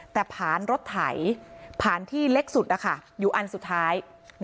แต่ผ่านรถไถผ่านที่เล็กสุดอยู่อันสุดท้าย